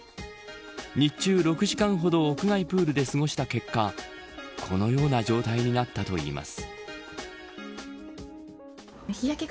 日中６時間ほど屋外プールで過ごした結果このような状態になったといいます。